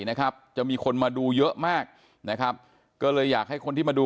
นะครับจะมีคนมาดูเยอะมากนะครับก็เลยอยากให้คนที่มาดู